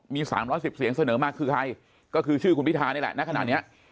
มี๓๑๐เสียงเสนอมาคือใครก็คือชื่อคุณพิธานี่แหละณขณะนี้